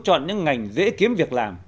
chọn những ngành dễ kiếm việc làm